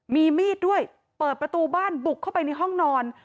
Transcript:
มีมีดด้วยเปิดประตูบ้านบุกเข้าไปในห้องนอน